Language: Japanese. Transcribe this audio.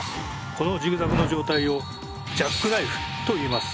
このジグザグの状態を「ジャックナイフ」といいます。